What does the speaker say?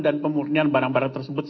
dan pemurnian barang barang tersebut